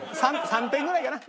３点ぐらいかな。